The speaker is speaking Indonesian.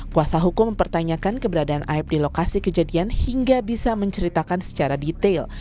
kuasa hukum mempertanyakan keberadaan aib di lokasi kejadian hingga bisa menceritakan secara detail